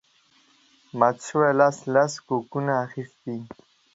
مات شوي لاس لس کوکونه اخیستي